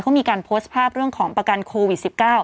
เขามีการโพสต์ภาพเรื่องของประกันโควิด๑๙